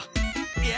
いや